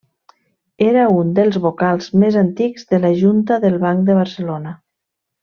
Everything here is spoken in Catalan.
Era un dels vocals més antics de la Junta del Banc de Barcelona.